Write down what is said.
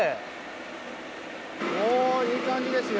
おいい感じですよ